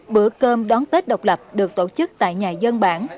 bữa cơm đón tết độc lập được tổ chức tại nhà dân bản